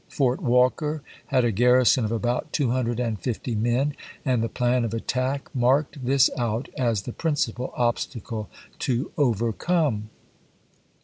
Fort Walker had a garrison of about 250 men, and the plan of attack marked this out as the principal obstacle to overcome.